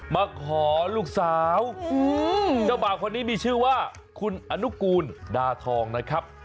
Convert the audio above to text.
มาขอลูกสาวเจ้าบ่าวคนนี้มีชื่อว่าคุณอนุกูลดาทองนะครับ